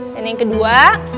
dan yang kedua